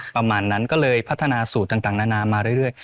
ประมาณนั้นก็เลยพัฒนาสูตรต่างนานามาเรื่อย